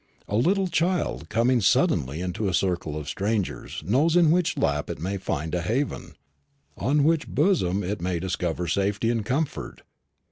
A little child coming suddenly into a circle of strangers knows in which lap it may find a haven, on which bosom it may discover safety and comfort.